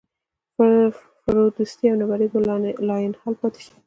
فرودستي او نابرابري به لاینحل پاتې شي.